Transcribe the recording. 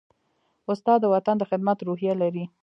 استاد د وطن د خدمت روحیه لري.